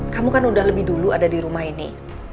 kamu kan udah lebih dulu ada di rumah ini